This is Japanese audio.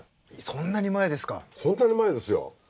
そんなに前ですよ。